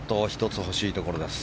１つ欲しいところです。